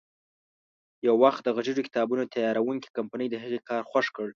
یو وخت د غږیزو کتابونو تیاروونکې کمپنۍ د هغې کار خوښ کړ.